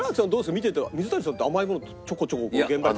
見てて水谷さんって甘いものちょこちょこ現場で。